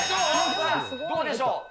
どうでしょう。